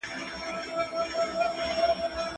موږ بايد د يو بل نظرياتو ته درناوی وکړو.